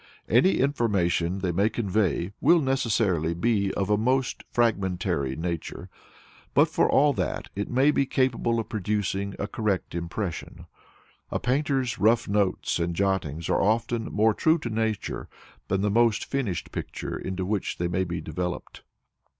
Any information they may convey will necessarily be of a most fragmentary nature, but for all that it may be capable of producing a correct impression. A painter's rough notes and jottings are often more true to nature than the most finished picture into which they may be developed.